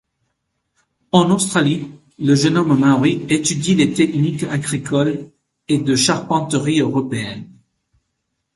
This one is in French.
En Australie, le jeune homme maori étudie les techniques agricoles et de charpenterie européennes.